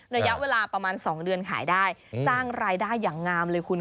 ระยะเวลาประมาณ๒เดือนขายได้สร้างรายได้อย่างงามเลยคุณ